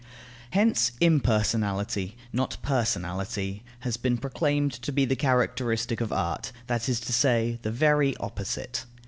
Hence impersonality, not personality, has been proclaimed to be the characteristic of art, that is to say, the very opposite.